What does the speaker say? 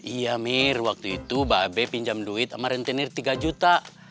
iya mir waktu itu babe pinjam duit sama rentenir tiga juta